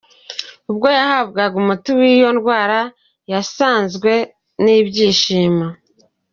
Ubwo yahabwaga umuti w’iyo ndwara yasazwe n’ibyishimo.